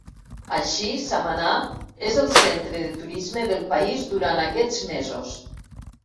Així, Samaná és el centre de turisme del país durant aquests mesos.